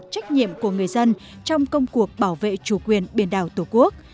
trách nhiệm của người dân trong công cuộc bảo vệ chủ quyền biển đảo tổ quốc